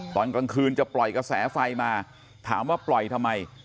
ตอนกลางคืนจะปล่อยกระแสไฟมาถามว่าปล่อยทำไม